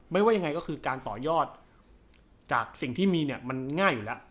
ว่ายังไงก็คือการต่อยอดจากสิ่งที่มีเนี่ยมันง่ายอยู่แล้ว